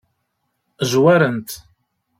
Zwaren-t?